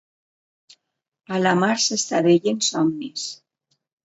A la mar s’estavellen somnis.